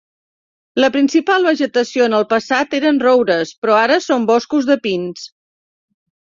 La principal vegetació en el passat eren roures, però ara són boscos de pins.